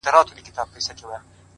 • زه تر ده سم زوروري لوبي کړلای,